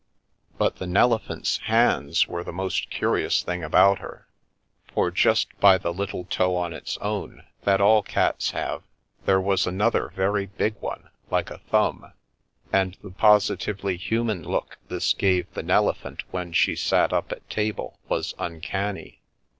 But the Nelephant's hands were the most curious thing about her, for just by the little toe on its own that all cats have there was another very big one, like a thumb, and the positively human look this gave the Nelephant when she sat up at table was uncanny.